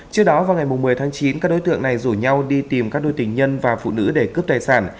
trước đó vào ngày một mươi tháng chín các đối tượng này rủ nhau đi tìm các đôi tình nhân và phụ nữ để cướp tài sản